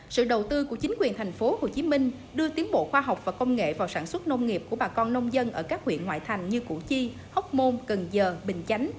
sự đầu tư của chính quyền thành phố hồ chí minh đưa tiến bộ khoa học và công nghệ vào sản xuất nông nghiệp của bà con nông dân ở các huyện ngoại thành như củ chi hóc môn cần giờ bình chánh